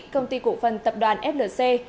công ty cổ phần tập đoàn flc